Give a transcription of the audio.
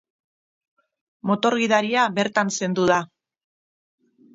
Motor gidaria bertan zendu da.